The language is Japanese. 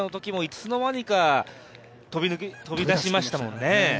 ２０ｋｍのときもいつの間にか飛び出しましたもんね。